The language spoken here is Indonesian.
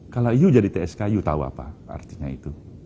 kalau you jadi tsk you tahu apa artinya itu